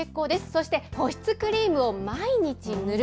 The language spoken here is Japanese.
そして保湿クリームを毎日塗る。